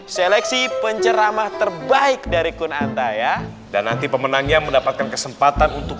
seleksi penceramah terbaik dari kun anda ya dan nanti pemenangnya mendapatkan kesempatan untuk